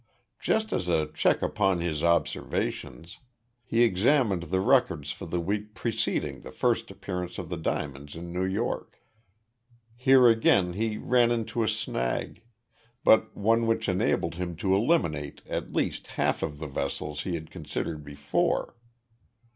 Just as a check upon his observations, he examined the records for the week preceding the first appearance of the diamonds in New York. Here again he ran into a snag, but one which enabled him to eliminate at least half of the vessels he had considered before.